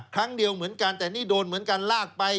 ครั้งเดียวเหมือนกันแต่นี่โดนเหมือนกันลากไป